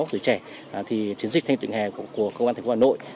từ trẻ thì chiến dịch thanh niên tình nguyện hè của công an thành phố hà nội